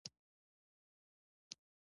کله چې یخ کلک شي دوی بیا سکي کاروي